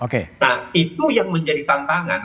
nah itu yang menjadi tantangan